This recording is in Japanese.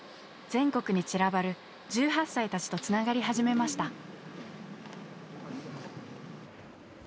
全国に散らばる１８歳たちとつながり始めました。